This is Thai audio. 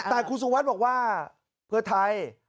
แต่คุณสุวัสดิ์บอกว่าเพื่อไทย